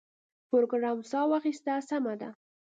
پروګرامر ساه واخیسته سمه ده